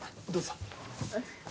どうぞ。